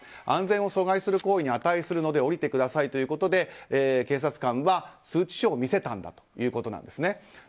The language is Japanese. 安全を阻害する行為に当たるので降りてくださいということで警察官は通知書を見せたんだということです。